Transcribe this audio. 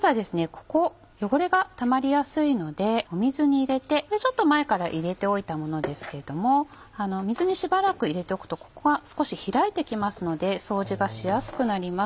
ここ汚れがたまりやすいので水に入れてちょっと前から入れておいたものですけども水にしばらく入れておくとここが少し開いてきますので掃除がしやすくなります。